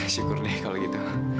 syukur deh kalau gitu